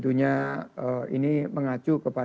terima kasih pak jory juma